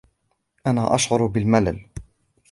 انا اشعر بالملل.